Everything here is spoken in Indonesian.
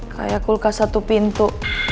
kayak kulkas satu pintu